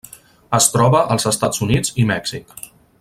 Es troba als Estats Units i Mèxic.